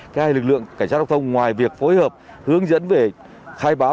cái lực lượng cảnh sát đồng thông ngoài việc phối hợp hướng dẫn về khai báo